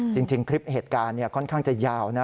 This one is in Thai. จริงคลิปเหตุการณ์ค่อนข้างจะยาวนะ